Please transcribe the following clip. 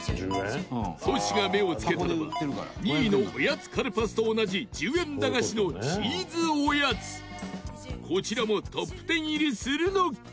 トシが目をつけたのは２位のおやつカルパスと同じ１０円駄菓子のチーズおやつこちらもトップ１０入りするのか？